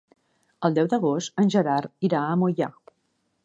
El deu d'agost en Gerard irà a Moià.